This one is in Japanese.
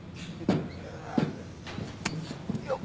よっ。